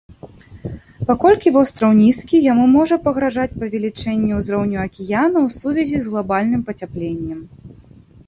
Паколькі востраў нізкі, яму можа пагражаць павелічэнне ўзроўню акіяна ў сувязі з глабальным пацяпленнем.